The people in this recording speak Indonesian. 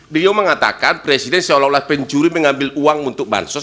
beliau mengatakan presiden seolah olah pencuri mengambil uang untuk bansos